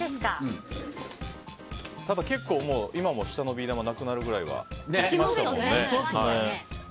ただ、今も下のビー玉がなくなるくらいは置きましたね。